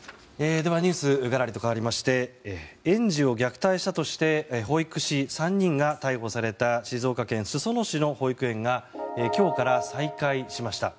ではニュースがらりとかわりまして園児を虐待したとして保育士３人が逮捕された静岡県裾野市の保育園が今日から再開しました。